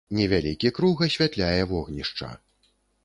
Невялікі круг асвятляе вогнішча.